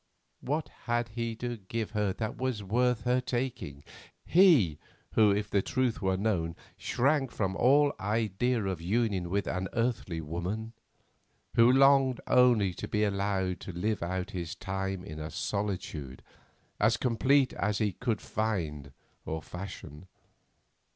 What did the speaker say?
What had he to give her that was worth her taking? he, who if the truth were known, shrank from all idea of union with any earthly woman; who longed only to be allowed to live out his time in a solitude as complete as he could find or fashion?